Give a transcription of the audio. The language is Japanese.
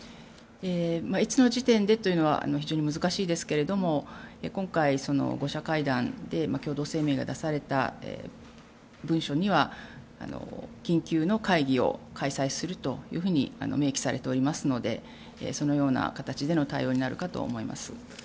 いつの時点でというのは非常に難しいですが今回、５者会談で共同声明で出された文章には緊急の会議を開催すると明記されておりますのでそのような形での対応になるかと思います。